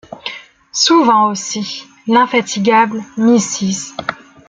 Souvent aussi, l’infatigable Mrs.